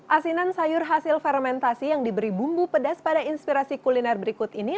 asinan sayur hasil fermentasi yang diberi bumbu pedas pada inspirasi kuliner berikut ini